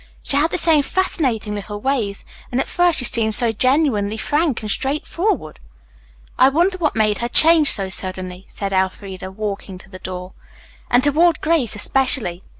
She had the same fascinating little ways and at first she seemed so genuinely frank and straightforward." "I wonder what made her change so suddenly," said Elfreda, walking to the door, "and toward Grace, especially.